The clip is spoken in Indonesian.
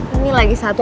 ini lagi satu